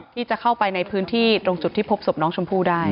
ที่จะเข้าไปในพื้นที่ตรงจุดที่พบศพน้องชมพู่ได้